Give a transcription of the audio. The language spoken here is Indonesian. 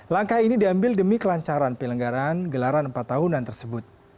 langkah ini diambil demi kelancaran pelenggaran gelaran empat tahunan tersebut